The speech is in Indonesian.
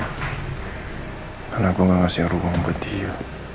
karena gue gak ngasih ruang buat dia